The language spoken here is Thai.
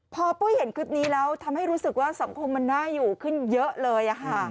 พอปุ้ยเห็นคลิปนี้แล้วทำให้รู้สึกว่าสังคมมันน่าอยู่ขึ้นเยอะเลย